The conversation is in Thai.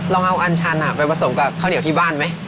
ลองเอาอันชันไปผสมกับข้าวเหนียวที่บ้านไหม